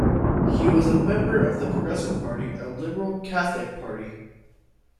He was a member of the Progressive Party, a Liberal Catholic party.